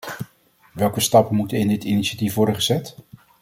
Welke stappen moeten in dit initiatief worden gezet?